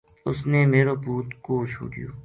اس نے میر و پوت کوہ چھوڈیو